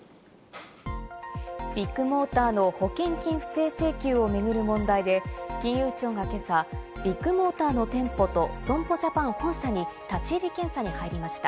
ビッグモーターの保険金不正請求を巡る問題で、金融庁が今朝、ビッグモーターの店舗と損保ジャパン本社に立ち入り検査に入りました。